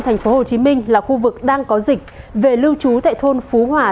thành phố hồ chí minh là khu vực đang có dịch về lưu trú tại thôn phú hòa